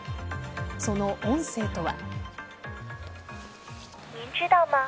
その音声とは。